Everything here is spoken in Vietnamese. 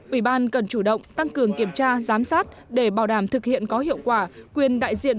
ủy ban cần chủ động tăng cường kiểm tra giám sát để bảo đảm thực hiện có hiệu quả quyền đại diện